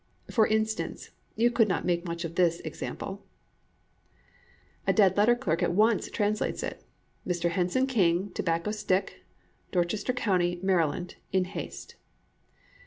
For instance, you could not make much of this: A dead letter clerk at once translates it: Mr. Hensson King, Tobacco Stick, Dorchester County, Maryland. In haste.